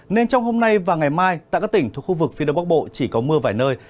nên trong hôm nay và ngày mai tại các tỉnh thuộc khu vực phía đông bắc bộ chỉ có mưa vài nơi